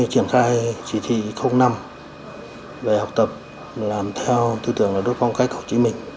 triển khai chỉ thị năm về học tập làm theo tư tưởng đạo đức phong cách hồ chí minh